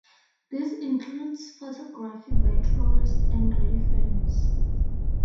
This includes photography by tourists and railfans.